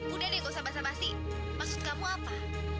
sudah tidak usah basah basih maksud kamu apa